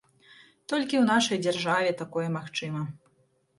Толькі ў нашай дзяржаве такое магчыма.